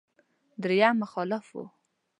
درېيم مخالف و.